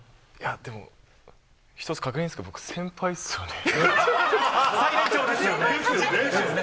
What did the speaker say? でも、一つ確認ですけど、最年長ですよね。